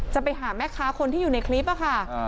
จะไปหาแม่ค้าคนที่อยู่ในคลิปค่ะ